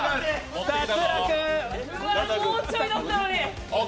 うわ、もうちょいだったのに！